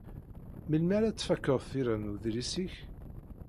Melmi ara tfakeḍ tira n udlis-ik?